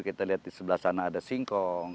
kita lihat di sebelah sana ada singkong